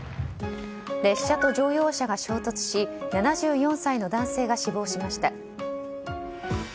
列車と乗用車が衝突し７４歳の男性が死亡しました。